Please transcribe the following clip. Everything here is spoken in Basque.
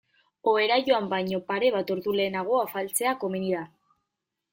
Ohera joan baino pare bat ordu lehenago afaltzea komeni da.